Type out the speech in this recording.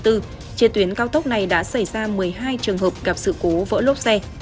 trên tuyến cao tốc này đã xảy ra một mươi hai trường hợp gặp sự cố vỡ lốp xe